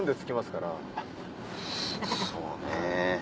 そうね。